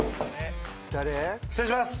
失礼します。